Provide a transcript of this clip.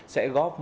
sẽ góp một lần